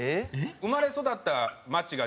生まれ育った町がですね